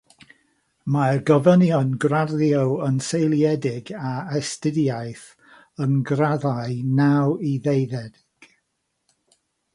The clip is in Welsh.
Mae'r gofynion graddio yn seiliedig ar astudiaeth yng ngraddau naw i ddeuddeg.